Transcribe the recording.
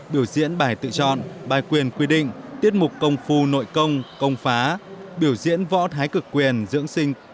biểu diễn bài tự chọn bài quyền quy định tiết mục công phu nội công công phá biểu diễn võ thái cực quyền dưỡng sinh